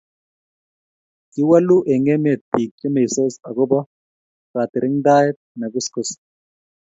kiwolu eng' emet biik che meisot akobo katiring'taet ne kuskus.